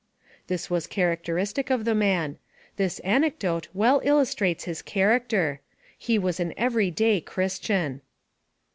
This was characteristic of the man. This anecdote well illustrates his character. He was an everyday Christian.